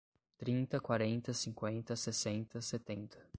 Trinta, quarenta, cinquenta, sessenta, setenta